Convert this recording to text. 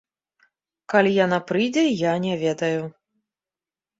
Калі яна прыйдзе, я не ведаю.